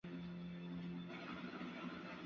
马瑟布。